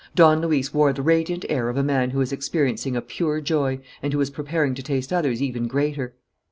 Don Luis wore the radiant air of a man who is experiencing a pure joy and who is preparing to taste others even greater.